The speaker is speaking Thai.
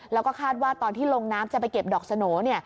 แล้วก็คาดว่าตอนที่ลงน้ำจะไปเก็บดอกสโหน่